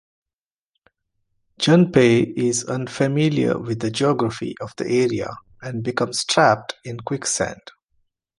Junpei is unfamiliar with the geography of the area and becomes trapped in quicksand.